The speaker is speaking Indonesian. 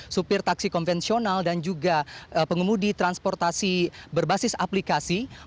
supir taksi konvensional dan juga pengemudi transportasi berbasis aplikasi